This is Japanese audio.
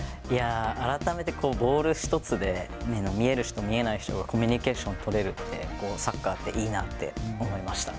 改めてボール１つで目が見える人、見えない人がコミュニケーションを取れるって、サッカーっていいなって思いました。